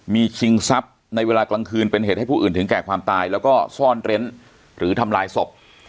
มีชิงทรัพย์ในเวลากลางคืนเป็นเหตุให้ผู้อื่นถึงแก่ความตายแล้วก็ซ่อนเร้นหรือทำลายศพ